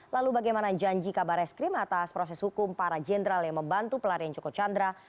lalu bagaimana janji kabar eskrim atas proses hukum para jenderal yang membantu pelarian joko chandra